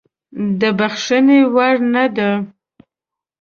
د بخښنې وړ نه دی.